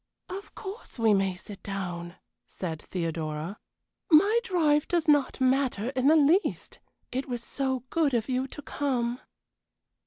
"Of course we may sit down," said Theodora. "My drive does not matter in the least. It was so good of you to come."